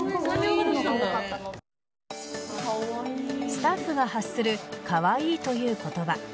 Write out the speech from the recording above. スタッフが発するカワイイという言葉。